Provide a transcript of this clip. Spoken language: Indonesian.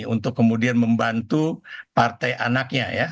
untuk kemudian membantu partai anaknya ya